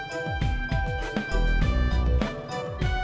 bahkan disini kurang gila kalo gw kita lanjut